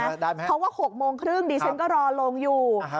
เพราะว่า๖โมงครึ่งดิฉันก็รอลงอยู่